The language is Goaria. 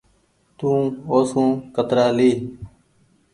تو سون ڪترآ لي۔